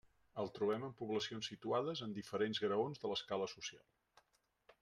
El trobem en poblacions situades en diferents graons de l'escala social.